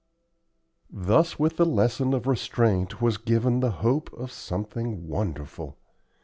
Thus with the lesson of restraint was given the hope of something wonderful.